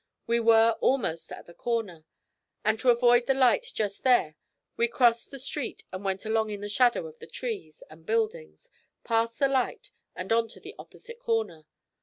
We were almost at the corner, and to avoid the light just there we crossed the street and went along in the shadow of the trees and buildings, past the light and on to the opposite corner.